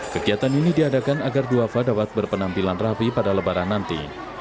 kegiatan ini diadakan agar duafa dapat berpenampilan rapi pada lebaran nanti